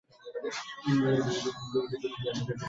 ফলে তিনি বিনোদন জগৎ নিয়ে মিশ্র অনুভূতি ব্যক্ত করেন।